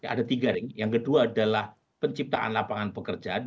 ada tiga ring yang kedua adalah penciptaan lapangan pekerjaan